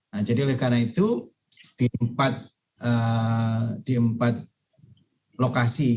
nah jadi oleh karena itu di empat lokasi